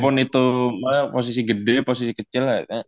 kalaupun itu posisi gede posisi kecil ya